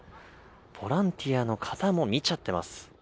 ボランティアの方も見ちゃってます。